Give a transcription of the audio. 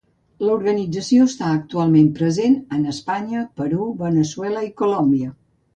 L'organització està actualment present en Espanya, Perú, Veneçuela i Colòmbia.